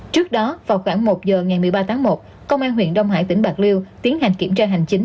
trước đó vào khoảng một giờ ngày một mươi ba tháng một công an huyện đông hải tỉnh bạc liêu tiến hành kiểm tra hành chính